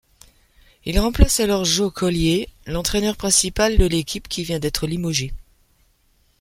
Il remplace alors Joe Collier, l'entraîneur principal de l'équipe qui vient d'être limogé.